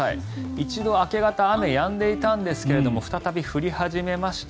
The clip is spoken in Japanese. １度、明け方雨、やんでいたんですが再び降り始めました。